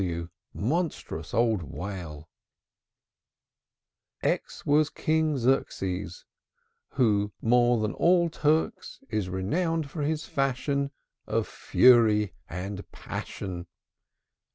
w! Monstrous old whale! X X was King Xerxes, Who, more than all Turks, is Renowned for his fashion Of fury and passion.